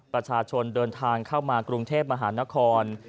ประชาชนเดินทางเข้ามากรุงเทพมหานคร